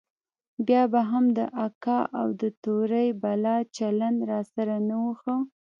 بيا به هم د اکا او د تورې بلا چلند راسره نه و ښه.